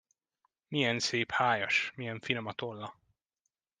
Milyen szép hájas, milyen finom a tolla!